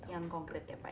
yang konkret ya pak